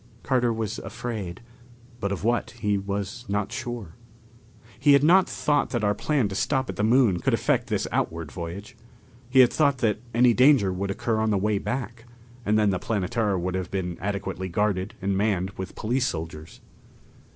Carter was afraid, but of what, he was not sure. He had not thought that our plan to stop at the Moon could affect this outward voyage. He had thought that any danger would occur on the way back, and then the Planetara would have been adequately guarded and manned with police soldiers.